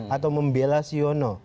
atau membela siono